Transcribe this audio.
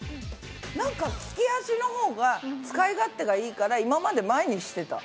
なんか利き足のほうが使い勝手がいいから今まで前にしてた。